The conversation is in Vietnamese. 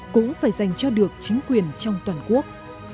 cũng phải dành cho được chính quyền trong toàn quốc